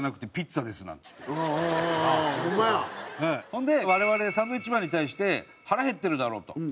ほんで我々サンドウィッチマンに対して腹減ってるだろうと。